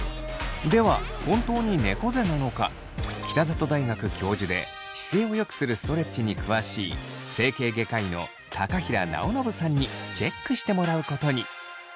では本当にねこ背なのか北里大学教授で姿勢をよくするストレッチに詳しい整形外科医の高平尚伸さんにチェックしてもらうことに。